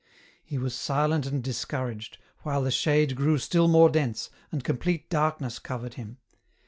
He was silent and discouraged, while the shade grew still more dense, and complete darkness covered him.